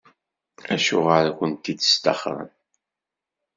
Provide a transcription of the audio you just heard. Acuɣer i kent-id-sṭaxren?